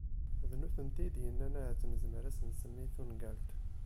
D nutenti i d-yennan ahat nezmer ad as-nsemmi tungalt.